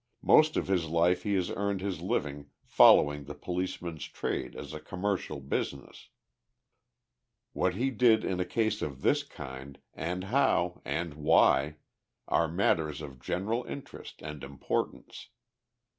Most of his life he has earned his living following the policeman's trade as a commercial business. What he did in a case of this kind, and how, and why, are matters of general interest and importance.